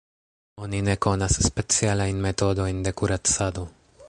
Oni ne konas specialajn metodojn de kuracado.